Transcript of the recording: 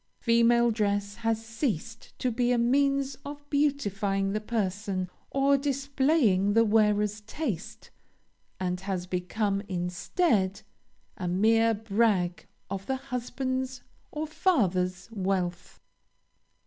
Female dress has ceased to be a means of beautifying the person or displaying the wearer's taste, and has become instead, a mere brag of the husband's or father's wealth.